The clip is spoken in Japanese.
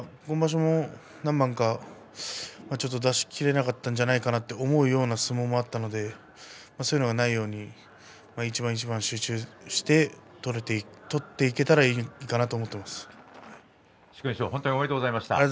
今場所も何番かちょっと出し切れなかったんじゃないかなと思うような相撲があったのでそういうのがないように一番一番集中して取っていけたら殊勲賞本当におめでとうございました。